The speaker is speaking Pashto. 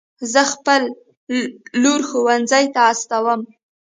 زه خپله لور ښوونځي ته استوم